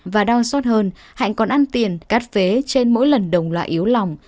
và đoan suốt hơn hạnh còn ăn tiền cắt phế trên mỗi lần đồng loại yếu lòng